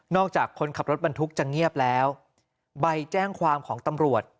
จากคนขับรถบรรทุกจะเงียบแล้วใบแจ้งความของตำรวจ